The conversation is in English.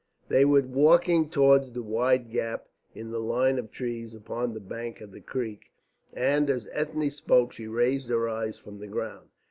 They were walking toward the wide gap in the line of trees upon the bank of the creek, and as Ethne spoke she raised her eyes from the ground.